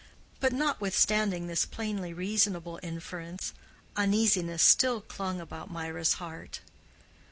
But notwithstanding this plainly reasonable inference, uneasiness still clung about Mirah's heart.